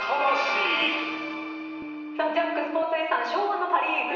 『ジャンク』スポーツ遺産昭和のパ・リーグ編。